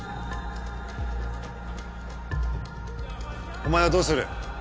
お前はどうする？